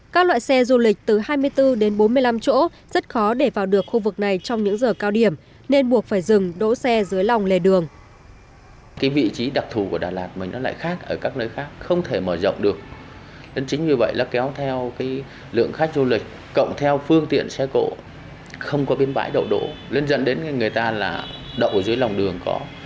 các loại xe du lịch từ hai mươi bốn đến bốn mươi năm chỗ rất khó để vào được khu vực này trong những giờ cao điểm nên buộc phải dừng đỗ xe dưới lòng lề đường